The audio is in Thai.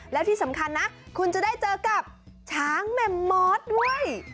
แล้วที่สำคัญนะคุณจะได้เจอกับช้างแม่มมอสด้วย